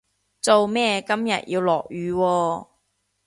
做咩今日要落雨喎